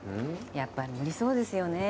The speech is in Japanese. やっぱ無理そうですよね。